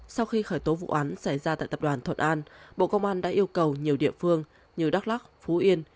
sau khi khởi tố vụ án xảy ra tại tập đoàn thuận an bộ công an đã yêu cầu nhiều địa phương như đắk lắc phú yên